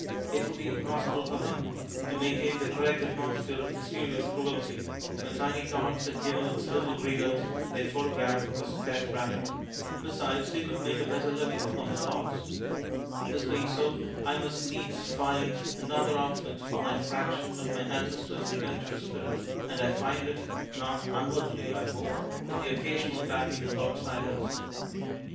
It would be impossible for him to maintain the correct atmosphere of mys terious cruelty when Tiny Tots had given its little readers a photograph of his pet rabbit. Besides, he could make a better living on the "halls." This being so, I must needs find another outlet for my fraction of my ancestor's adventurous spirit, and I find it, not unworthily I hope, in the occasional backing of outsiders.